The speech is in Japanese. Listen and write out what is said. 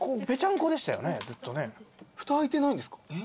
ふた開いてないんですか？